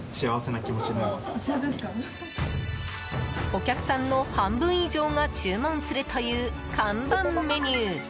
お客さんの半分以上が注文するという看板メニュー。